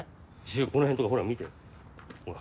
この辺とかほら見てほら。